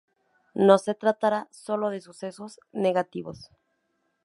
No se tratará solo de sucesos negativos.